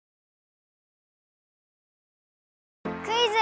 「クイズ！」。